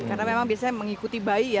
karena memang biasanya mengikuti bayi ya